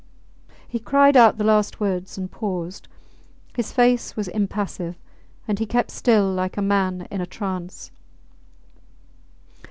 ... He cried out the last words and paused. His face was impassive, and he kept still like a man in a trance.